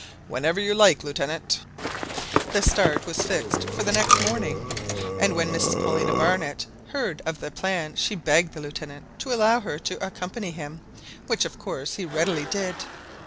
Whenever you like, Lieutenant." The start was fixed for the next morning; and when Mrs Paulina Barnett heard of the plan, she begged the Lieutenant to allow her to accompany him, which of course he readily did.